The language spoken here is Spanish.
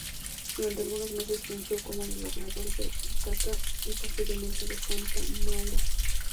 Durante algunos meses fungió como gobernador de Ítaca, y posteriormente de Santa Maura.